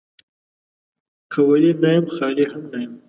که ولي نه يم ، خالي هم نه يم.